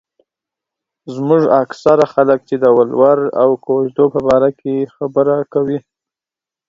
زموږ اکثره خلک چې د ولور او کوژدو په باره کې خبره کوي.